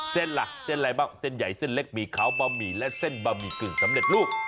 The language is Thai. เส้นล่ะเส้นอะไรบ้างเส้นใหญ่เส้นเล็กหมี่ขาวบะหมี่และเส้นบะหมี่กึ่งสำเร็จรูป